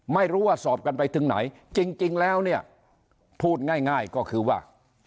ไม่รู้ว่าสอบกันไปถึงไหนจริงแล้วเนี่ยพูดง่ายก็คือว่า